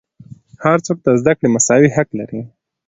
هر څوک د زدهکړې مساوي حق لري.